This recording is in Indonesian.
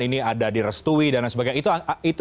ini ada di restui dan lain sebagainya itu